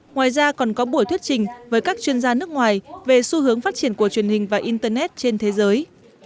ngoài ra còn có buổi thuyết trình với các chuyên gia nước ngoài về xu hướng phát triển của truyền hình và internet trên thế giới